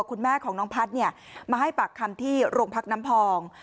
คุณแม่ของน้องพัฒน์มาให้ปากคำที่โรงพักน้ำพอง